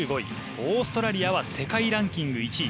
オーストラリアは世界ランキング１位。